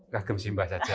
gagem simbah saja